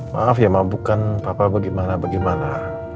maaf ya bukan papa bagaimana bagaimana